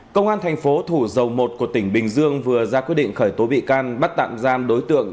công an thành phố thủ dầu một của tỉnh bình dương vừa ra quyết định khởi tố bị can bắt tạm giam đối tượng